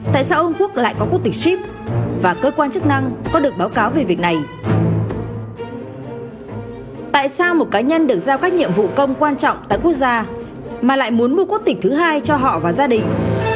tại sao một cá nhân được giao các nhiệm vụ công quan trọng tất quốc gia mà lại muốn mua quốc tịch thứ hai cho họ và gia đình